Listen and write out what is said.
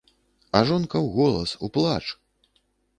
А жонка ў голас, у плач.